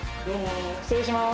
失礼します。